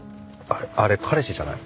あれ彼氏じゃない？